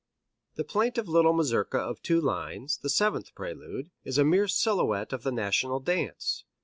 The plaintive little mazurka of two lines, the seventh prelude, is a mere silhouette of the national dance.